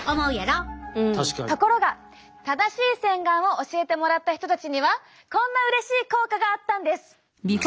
ところが正しい洗顔を教えてもらった人たちにはこんなうれしい効果があったんです。